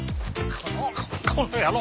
この！